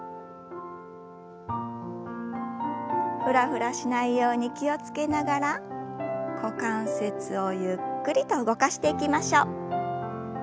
フラフラしないように気を付けながら股関節をゆっくりと動かしていきましょう。